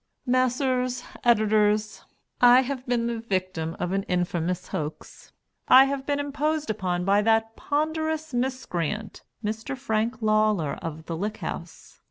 Messrs. Editors, I have been the victim of an infamous hoax. I have been imposed upon by that ponderous miscreant, Mr. Frank Lawler, of the Lick House.